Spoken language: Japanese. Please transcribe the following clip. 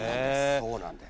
そうなんです。